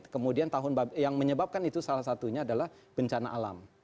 kemudian tahun yang menyebabkan itu salah satunya adalah bencana alam